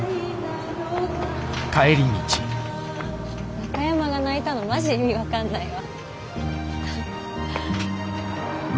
中山が泣いたのマジ意味分かんないわ。